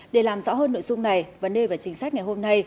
để làm rõ hơn nội dung này vấn đề và chính sách ngày hôm nay